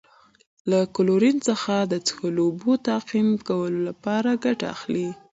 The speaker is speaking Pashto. له کلورین څخه د څښلو اوبو تعقیم کولو لپاره ګټه اخلي.